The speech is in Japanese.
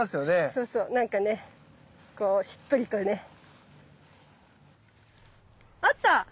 そうそうなんかねこうしっとりとね。あった！